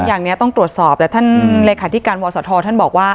อย่างนี้ต้องตรวจสอบแต่ท่านเลขาธิการวศธท่านบอกว่า